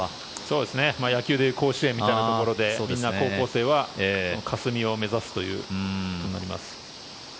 野球でいう甲子園みたいなところでみんな高校生は霞を目指すことになります。